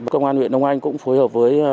công an huyện đông anh cũng phối hợp với